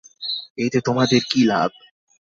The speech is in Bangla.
এতে তোমাদের কী লাভ?